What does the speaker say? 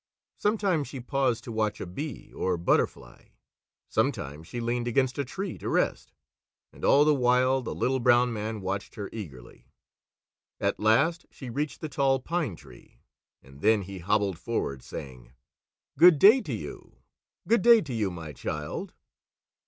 Sometimes she paused to watch a bee or butterfly; sometimes she leaned against a tree to rest, and all the while the Little Brown Man watched her eagerly. At last she reached the Tall Pine Tree, and then he hobbled forward, saying: "Good day to you! Good day to you, my child!"